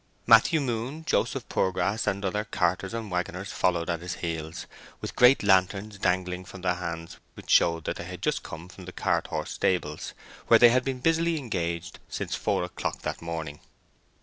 Matthew Moon, Joseph Poorgrass, and other carters and waggoners followed at his heels, with great lanterns dangling from their hands, which showed that they had just come from the cart horse stables, where they had been busily engaged since four o'clock that morning.